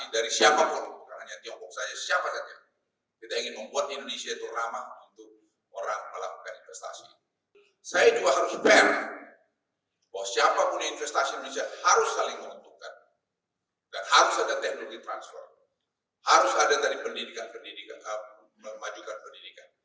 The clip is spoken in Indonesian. dan harus ada teknologi transfer harus ada pendidikan pendidikan memajukan pendidikan